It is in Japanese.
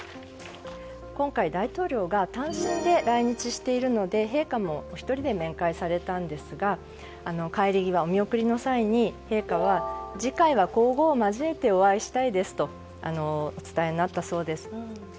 今回、大統領が単身で来日しているので陛下もお一人で面会されたんですが帰り際、お見送りの際に陛下は次回は皇后を交えてお会いしたいですとお伝えになったそうです。